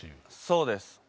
そうです。